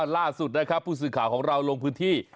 ล่าสุดนะครับผู้สื่อข่าวของเราลงพื้นที่